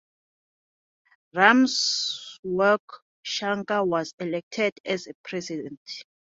Ramsewak Shankar was elected as president.